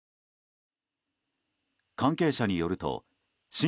関係者によると紳士